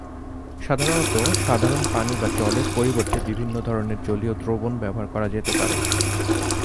সাধারণত, সাধারণ পানি বা জলের পরিবর্তে বিভিন্ন ধরনের জলীয় দ্রবণ ব্যবহার করা যেতে পারে।